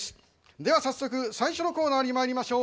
では早速最初のコーナーにまいりましょう。